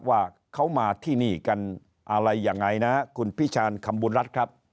ว่าเขามาที่นี่กันอะไรยังไงนะคุณพิชานคำบุญรัฐครับ